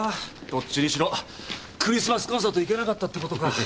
どっちにしろクリスマスコンサート行けなかったってことか。